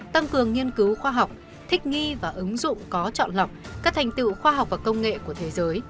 tăng cường nghiên cứu khoa học thích nghi và ứng dụng có chọn lọc các thành tựu khoa học và công nghệ của thế giới